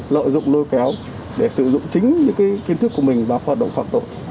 lợi dụng lôi kéo để sử dụng chính những kiến thức của mình vào hoạt động phạm tội